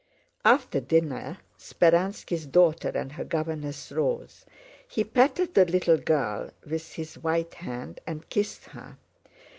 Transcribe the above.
After dinner Speránski's daughter and her governess rose. He patted the little girl with his white hand and kissed her.